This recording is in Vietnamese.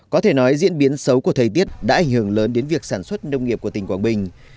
có thể nói diễn biến xấu của thời tiết đã ảnh hưởng lớn đến việc sản xuất nông nghiệp của tỉnh quảng bình